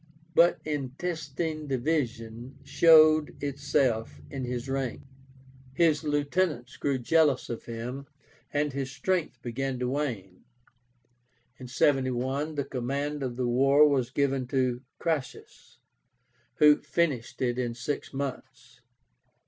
But intestine division showed itself in his ranks; his lieutenants grew jealous of him, and his strength began to wane. In 71 the command of the war was given to CRASSUS, who finished it in six months.